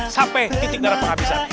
sampai titik darah penghabisan